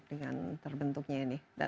dengan terbentuknya ini